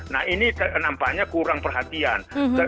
nah ini nampaknya kurang perhatian